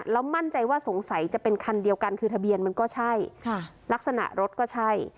แล้วมั่นใจว่าสงสัยจะเป็นคันเดียวกันคือทะเบียนมันก็ใช่ลักษณะรถก็ใช่